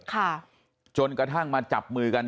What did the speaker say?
ค่ะจนกระทั่งมาจับมือกัน